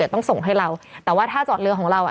ต้องส่งให้เราแต่ว่าถ้าจอดเรือของเราอ่ะ